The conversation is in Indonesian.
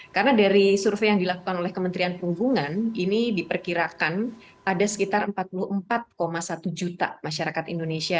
karena dari survei yang dilakukan oleh kementerian penghubungan ini diperkirakan ada sekitar empat puluh empat satu juta masyarakat indonesia